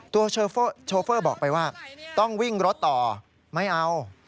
ตัวโชเฟอร์บอกไปว่า